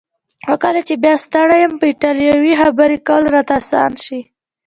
خو کله چې بیا ستړی یم په ایټالوي خبرې کول راته اسانه شي.